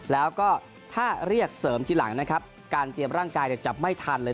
แล้วก็ถ้าเรียกเสริมทีหลังนะครับการเตรียมร่างกายจับไม่ทันเลย